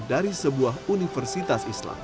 dari sebuah universitas islam